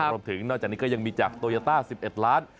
รวมถึงนอกจากนี้ก็ยังมีจากโตยาต้า๑๑ล้าน